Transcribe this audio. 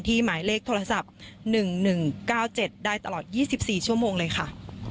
หมายเลขโทรศัพท์๑๑๙๗ได้ตลอด๒๔ชั่วโมงเลยค่ะ